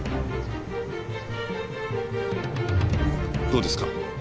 どうですか？